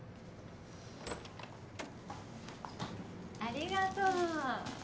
ありがとう。